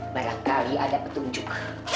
barangkali ada petunjuk